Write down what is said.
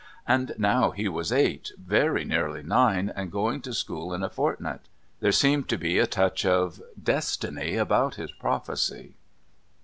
And now he was eight, very nearly nine, and going to school in a fortnight. There seemed to be a touch of destiny about his prophecy.